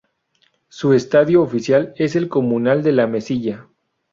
Su estadio oficial es el Comunal de la Mesilla.